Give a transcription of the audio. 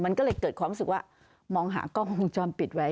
มันก็เลยเกิดความรู้สึกว่ามองหากล้องวงจรปิดไว้